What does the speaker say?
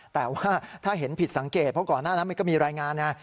แต่ว่าถ้าเห็นผิดสังเกตเพราะก่อนหน้านั้นมันก็มีรายงานไง